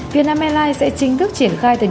vietnam airlines sẽ chính thức triển khai tình huống